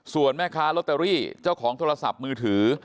ส่วนแม่ค้าลอตเตอรี่เจ้าของโทรศัพท์มือถือ